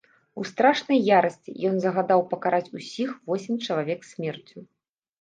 У страшнай ярасці ён загадаў пакараць усіх восем чалавек смерцю.